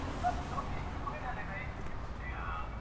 متلونه بې حکمته نه دي.